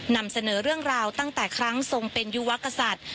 นำเสนอเรื่องราวตั้งแต่ครั้งทรงเป็นยุวกษัตริย์